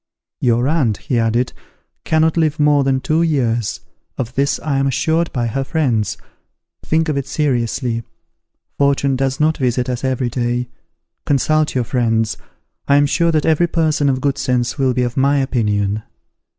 "Your aunt," he added, "cannot live more than two years; of this I am assured by her friends. Think of it seriously. Fortune does not visit us every day. Consult your friends. I am sure that every person of good sense will be of my opinion."